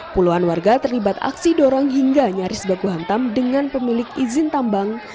puluhan warga terlibat aksi dorong hingga nyaris baku hantam dengan pemilik izin tambang